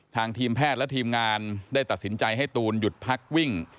ทีมแพทย์และทีมงานได้ตัดสินใจให้ตูนหยุดพักวิ่ง